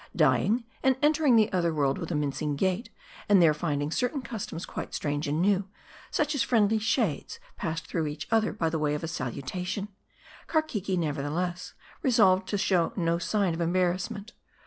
Dy ing, and entering the other world with a mincing gait, and there finding certain customs quite strange and new ; such as friendly shades passing through each other by way of a salutation ; Karkeke, nevertheless, resolved to show no sign of embarrassment.